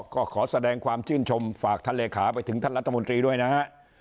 ก็ขอแสดงความชื่นชมฝากท่านเลขาไปถึงท่านรัฐมนตรีด้วยนะฮะ